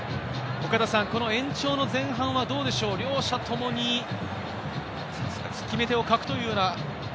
延長の前半はどうでしょう、両者ともに決め手を欠くというような。